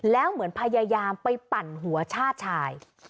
แล้วเหมือนพยายามไปปั่นหัวชาติชาย